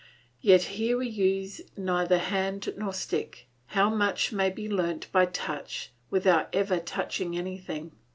Yet here we use neither hand nor stick. How much may be learnt by touch, without ever touching anything!